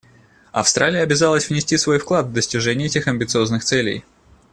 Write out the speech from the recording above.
Австралия обязалась внести свой вклад в достижение этих амбициозных целей.